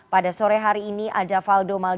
pada sore hari ini ada valdo malgi